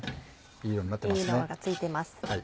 いい色がついてます。